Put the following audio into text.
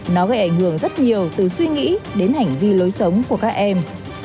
nó gây ảnh hưởng rất nhiều từ suy nghĩ đến hành vi lối sống của các em